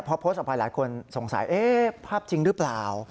พอโพสต์ออกไปหลายคนสงสัยภาพจริงหรือเปล่า